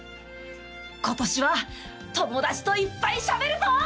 今年は友達といっぱいしゃべるぞ！